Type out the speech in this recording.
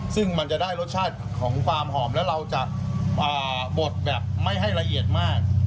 ซึ่งมันจะได้รสชาติของความหอมแล้วเราจะบดแบบไม่ให้ละเอียดมาก